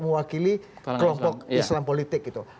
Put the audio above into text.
mewakili kelompok islam politik